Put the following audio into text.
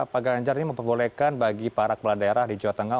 pak ganjar ini memperbolehkan bagi para kepala daerah di jawa tengah